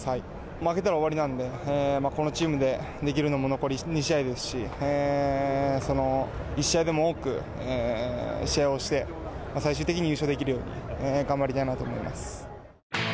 負けたら終わりなんで、このチームでできるのも残り２試合ですし、一試合でも多く試合をして、最終的に優勝できるように、頑張りたいなと思います。